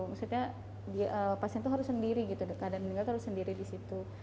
maksudnya pasien itu harus sendiri gitu keadaan dia harus sendiri di situ